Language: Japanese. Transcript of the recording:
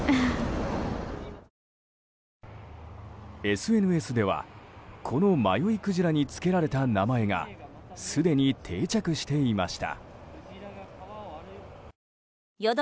ＳＮＳでは、この迷いクジラにつけられた名前がすでに定着していました。